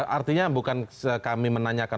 artinya bukan kami menanyakan